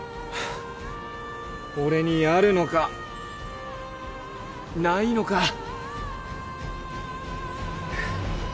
俺にあるのかないのか。